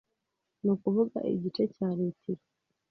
ni ukuvuga igice cya litiro